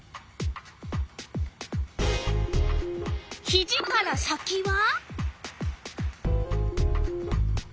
ひじから先は？